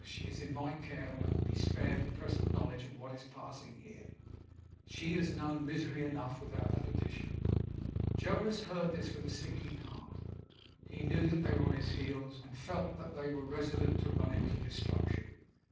She is in my care, and will be spared the present knowledge of what is passing here. She has known misery enough, without that addition.' Jonas heard this with a sinking heart. He knew that they were on his heels, and felt that they were resolute to run him to destruction.